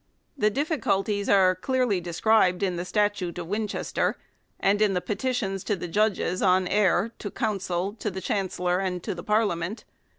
The difficulties are described clearly in the Statute of Winchester, and in the petitions to the judges on eyre, to council, to the chancellor, and to Parliament.